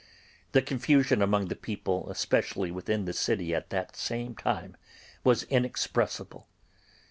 The confusion among the people, especially within the city, at that time, was inexpressible.